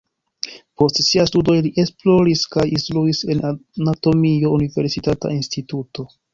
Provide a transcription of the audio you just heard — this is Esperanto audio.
Post siaj studoj li esploris kaj instruis en anatomia universitata instituto.